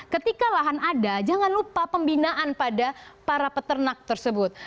ketika lahan ada jangan lupa pembinaan pada para peternak tersebut